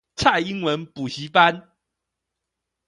菜英文補習班